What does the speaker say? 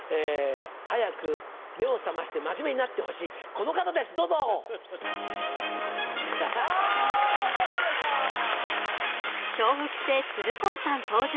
早く目を覚まして真面目になってほしいこの方ですどうぞ！あ！